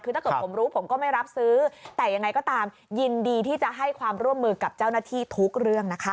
คือถ้าเกิดผมรู้ผมก็ไม่รับซื้อแต่ยังไงก็ตามยินดีที่จะให้ความร่วมมือกับเจ้าหน้าที่ทุกเรื่องนะคะ